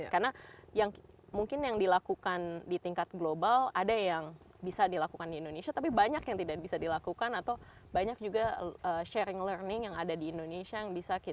karena yang mungkin yang dilakukan di tingkat global ada yang bisa dilakukan di indonesia tapi banyak yang tidak bisa dilakukan atau banyak juga sharing learning yang ada di indonesia yang bisa dilakukan